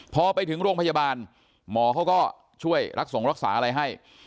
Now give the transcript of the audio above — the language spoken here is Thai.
พอไปถึงโรงพยาบาลหมอเขาก็ช่วยรักส่งรักษาอะไรให้